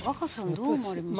どう思われますか？